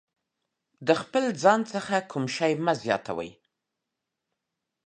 څلورم: د خپل ځان څخه کوم شی مه زیاتوئ.